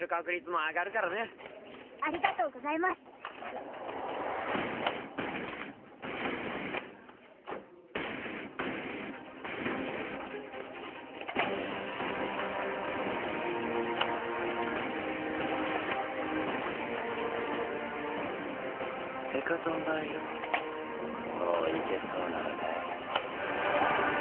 もう行けそうなのかい？